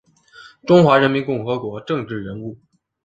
中华人民共和国政治人物。